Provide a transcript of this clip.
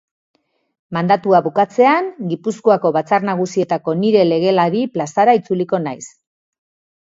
Mandatua bukatzean Gipuzkoako Batzar Nagusietako nire legelari plazara itzuliko naiz.